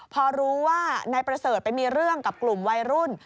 พอรู้ว่านายประเสริฐไปมีเรื่องกับกลุ่มวัยรุ่น